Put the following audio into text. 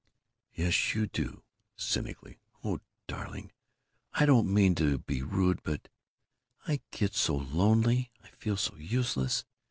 "Yes, you do!" cynically. "Oh, darling, I don't mean to be rude but I get so lonely. I feel so useless.